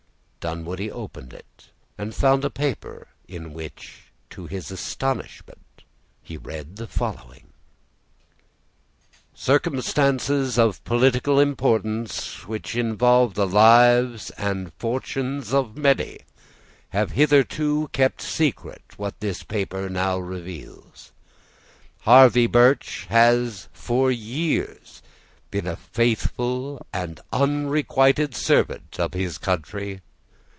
Dunwoodie opened it, and found a paper in which, to his astonishment, he read the following:— "Circumstances of political importance, which involve the lives and fortunes of many, have hitherto kept secret what this paper now reveals. Harvey Birch has for years been a faithful and unrequited servant of his country.